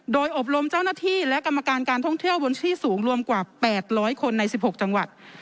โดยอบรมเจ้าหน้าที่และกรรมการการท่องเที่ยวบนที่สูงรวมกว่า๘๐๐คนใน๑๖จังหวัด